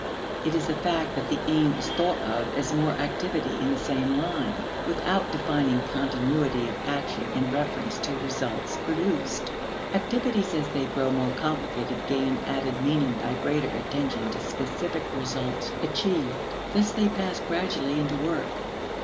It is the fact that the aim is thought of as more activity in the same line, without defining continuity of action in reference to results produced. Activities as they grow more complicated gain added meaning by greater attention to specific results achieved. Thus they pass gradually into work.